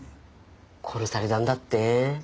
殺されたんだって？